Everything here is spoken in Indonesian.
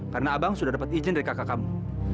karena abang sudah dapat izin dari kakak kamu